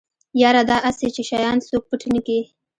يره دا اسې چې شيان څوک پټ نکي.